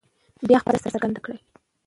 بیا خپل نظر څرګند کړئ.